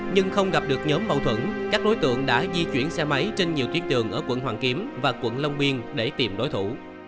nhưng không gặp được nhóm mâu thuẫn các đối tượng đã di chuyển xe máy trên nhiều tuyến đường ở quận hoàn kiếm và quận long biên để tìm đối thủ